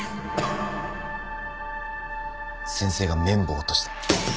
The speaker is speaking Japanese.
先生が綿棒を落とした。